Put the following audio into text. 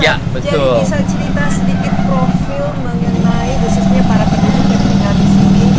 jadi bisa cerita sedikit profil mengenai khususnya para penyelidikan di sini